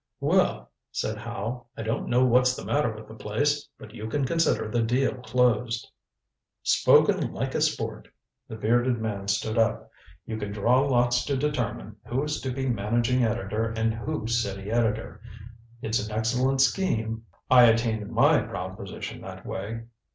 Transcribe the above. "Well," said Howe, "I don't know what's the matter with the place, but you can consider the deal closed." "Spoken like a sport!" The bearded man stood up. "You can draw lots to determine who is to be managing editor and who city editor. It's an excellent scheme I attained my proud position that way.